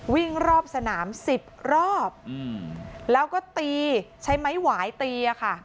วิ่งรอบสนาม๑๐รอบแล้วก็ตีใช้ไม้หวายตีอะค่ะ